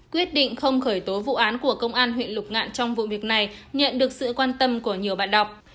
quyết định không khởi tố vụ án của công an huyện lục ngạn trong vụ việc này nhận được sự quan tâm của nhiều bạn đọc